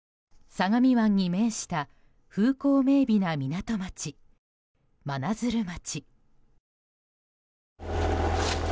相模湾に面した風光明媚な港町真鶴町。